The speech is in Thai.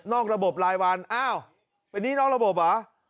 ระบบรายวันอ้าวเป็นหนี้นอกระบบเหรอ